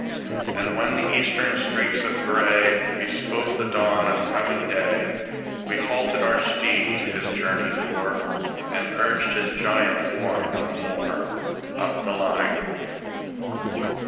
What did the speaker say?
And when the Eastern streaks of gray Bespoke the dawn of coming day, We halted our steed, his journey o'er, And urged his giant form no more, Up the line.